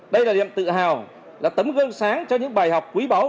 đây là niềm tự hào là tấm gương sáng cho những bài học quý báu